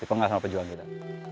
dipenggal sama pejuang kita